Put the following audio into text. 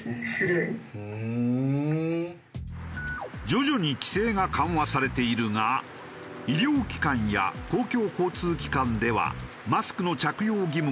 徐々に規制が緩和されているが医療機関や公共交通機関ではマスクの着用義務があるため。